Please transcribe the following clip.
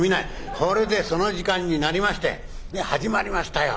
それでその時間になりまして始まりましたよ。